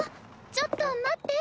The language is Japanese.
ちょっと待って！